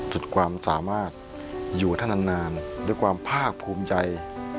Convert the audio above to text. จุดความสามารถอยู่ท่านนานด้วยความภาคภูมิใจ